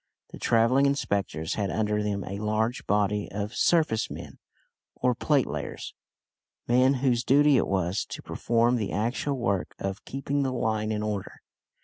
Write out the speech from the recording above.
The travelling inspectors had under them a large body of "surface men" or "plate layers," men whose duty it was to perform the actual work of keeping the line in order.